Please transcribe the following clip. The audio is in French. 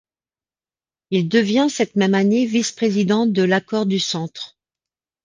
Il devient cette même année vice-président de l'Accord du centre.